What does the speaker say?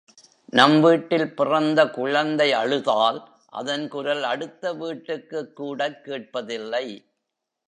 நம் வீட்டில் பிறந்த குழந்தை அழுதால் அதன் குரல் அடுத்த வீட்டுக்குக்கூடக் கேட்பதில்லை.